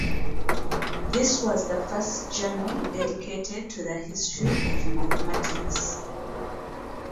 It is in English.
This was the first journal dedicated to the history of mathematics.